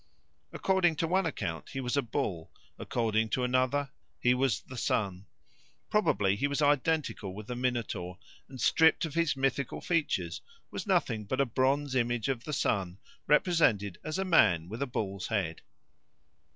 According to one account he was a bull, according to another he was the sun. Probably he was identical with the Minotaur, and stripped of his mythical features was nothing but a bronze image of the sun represented as a man with a bull's head.